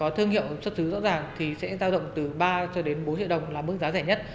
có thương hiệu xuất xứ rõ ràng thì sẽ giao động từ ba bốn triệu đồng là mức giá rẻ nhất